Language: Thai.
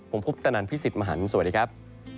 ผมพุทธนันพี่สิทธิ์มหันฯสวัสดีครับ